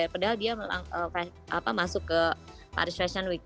padahal dia masuk ke paris fashion week